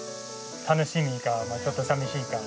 楽しみかちょっとさみしいか。